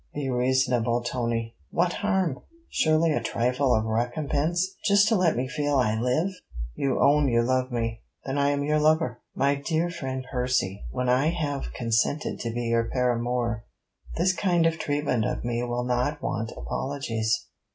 'Be reasonable, Tony. What harm! Surely a trifle of recompense? Just to let me feel I live! You own you love me. Then I am your lover.' 'My dear friend Percy, when I have consented to be your paramour, this kind of treatment of me will not want apologies.'